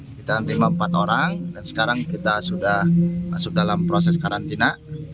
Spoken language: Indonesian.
kita terima empat orang dan sekarang kita sudah masuk dalam proses karantina